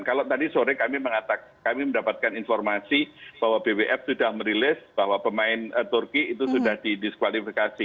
kalau tadi sore kami mendapatkan informasi bahwa bwf sudah merilis bahwa pemain turki itu sudah didiskualifikasi